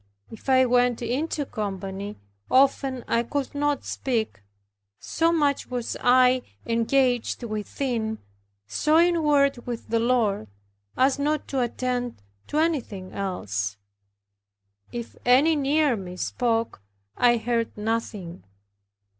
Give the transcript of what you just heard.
If I went into company, often I could not speak; so much was I engaged within, so inward with the Lord, as not to attend to anything else. If any near me spoke, I heard nothing.